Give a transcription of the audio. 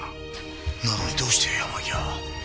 なのにどうして山際は。